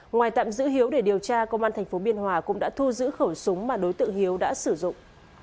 ngoài tạm giữ hiếu để điều tra công an tp biên hòa cũng đã thu giữ khẩu súng mà đối tượng hiếu đã sử dụng